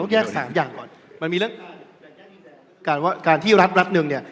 แยกสามอย่างก่อนมันมีเรื่องการว่าการที่รัฐรัฐหนึ่งเนี่ย